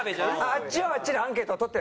あっちはあっちでアンケートを取ってるんですか？